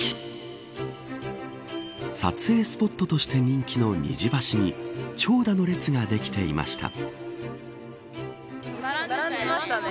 撮影スポットとして人気の虹橋に長蛇の列ができていました。